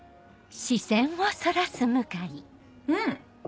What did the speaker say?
うん！